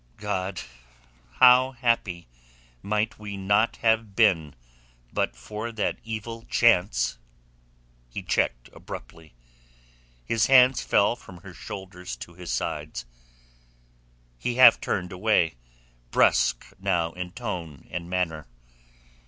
"God! How happy might we not have been but for that evil chance...." He checked abruptly. His hands fell from her shoulders to his sides, he half turned away, brusque now in tone and manner.